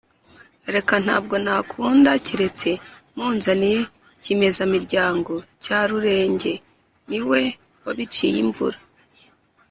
“reka ntabwo nakunda cyeretse munzaniye kimezamiryango cya rurenge: ni we wabiciye imvura.